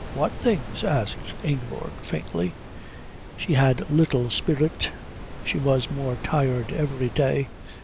"What things?" asked Ingeborg faintly. She had little spirit. She was more tired every day.